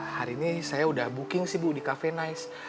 hari ini saya udah booking sih bu di cafe nice